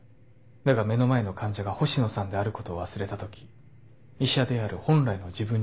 だが目の前の患者が星野さんであることを忘れたとき医者である本来の自分に戻った。